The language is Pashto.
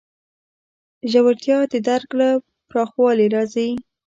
ژورتیا د درک له پراخوالي راځي.